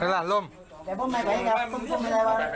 ออกฝาดเลยค่ะนะ